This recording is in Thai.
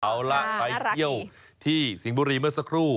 เอาล่ะไปเที่ยวที่สิงห์บุรีเมื่อสักครู่